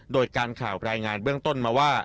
โดยการข่าวรายงานเบื้องต้นมาว่า